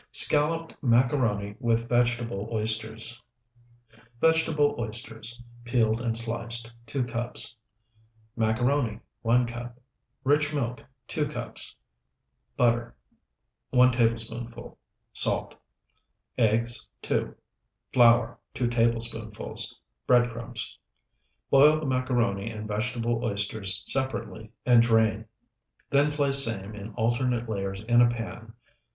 SCALLOPED MACARONI WITH VEGETABLE OYSTERS Vegetable oysters, peeled and sliced, 2 cups. Macaroni, 1 cup. Rich milk, 2 cups. Butter, 1 tablespoonful. Salt. Eggs, 2. Flour, 2 tablespoonfuls. Bread crumbs. Boil the macaroni and vegetable oysters separately, and drain. Then place same in alternate layers in a pan.